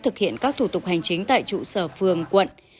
thực hiện các thủ tục hành chính tại trụ sở phường quận